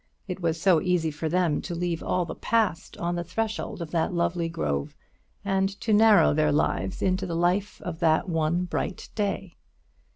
It was so easy for them to leave all the Past on the threshold of that lovely grove, and to narrow their lives into the life of that one bright day.